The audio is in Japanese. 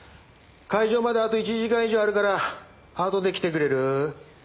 開場まであと１時間以上あるからあとで来てくれる？